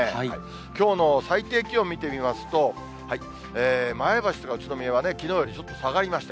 きょうの最低気温見てみますと、前橋とか宇都宮はきのうよりちょっと下がりました。